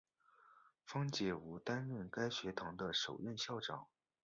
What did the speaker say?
方解吾担任该学堂的首任校长。